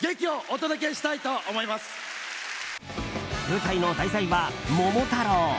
舞台の題材は「桃太郎」。